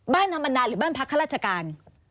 บ้านธรรมดาหรือบ้านพักข้าราชการ